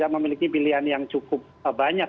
memiliki pilihan yang cukup banyak